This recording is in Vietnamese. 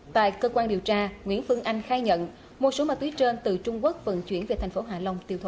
tại cơ quan điều tra nguyễn phương anh khai nhận một số ma túy trên từ trung quốc vận chuyển về thành phố hạ long tiêu thụ